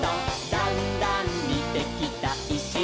「だんだんにてきたいしがきに」